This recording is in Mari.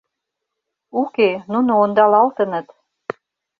Уке, нуно ондалалтыныт.